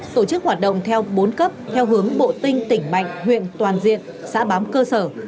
tổ chức hoạt động theo bốn cấp theo hướng bộ tinh tỉnh mạnh huyện toàn diện xã bám cơ sở